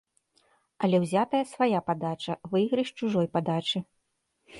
Але ўзятая свая падача, выйгрыш чужой падачы.